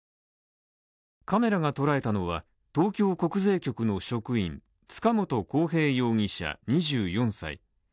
カメラが捉えたのは、東京国税局の職員塚本晃平容疑者２４歳。